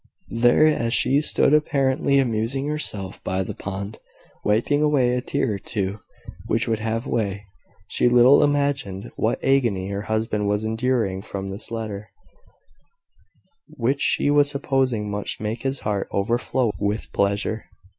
There, as she stood apparently amusing herself by the pond, wiping away a tear or two which would have way, she little imagined what agony her husband was enduring from this letter, which she was supposing must make his heart overflow with pleasure.